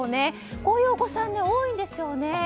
こういうお子さん多いんですよね。